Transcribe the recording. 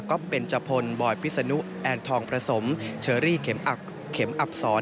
ก็เป็นจพลบอยพิษณุแอนทองพระสมเชอรี่เข็มอับสอน